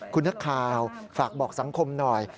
คุณนักข่าวฝากบอกสังคมหน่อย